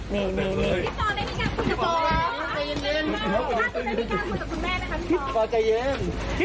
นี่